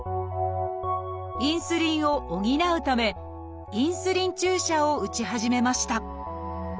インスリンを補うためインスリン注射を打ち始めました。